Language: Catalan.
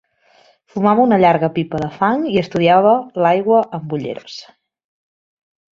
Fumava una llarga pipa de fang i estudiava l'aigua amb ulleres.